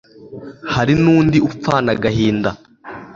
hari n'undi upfana agahinda